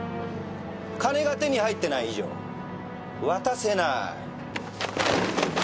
金が手に入ってない以上渡せなーい。